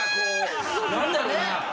何だろうな。